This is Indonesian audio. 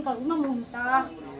kalau ibu saya muntah